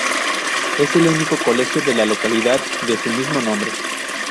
Es el único colegio de la localidad de su mismo nombre.